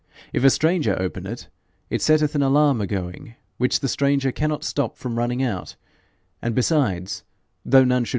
If a stranger open it, it setteth an alarm agoing, which the stranger cannot stop from running out; and besides, though none should